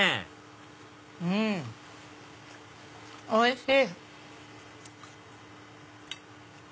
うんおいしい！